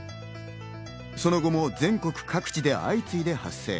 その後も全国各地で相次いで発生。